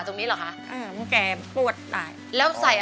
อันดับนี้เป็นแบบนี้